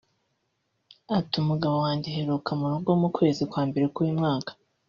Ati "Umugabo wanjye aheruka mu rugo mu kwezi kwa mbere k’uyu mwaka